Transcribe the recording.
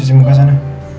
udah cuci muka sana